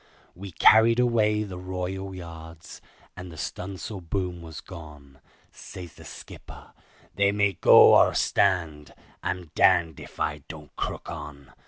We carried away the royal yards, and the stun'sle boom was gone, Says the skipper, "They may go or stand; I'm darned if I don't crook on.